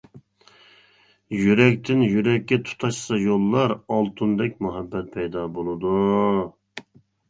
يۈرەكتىن يۈرەككە تۇتاشسا يوللار، ئالتۇندەك مۇھەببەت پەيدا بولىدۇ.